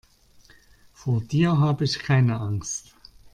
Vor dir habe ich keine Angst.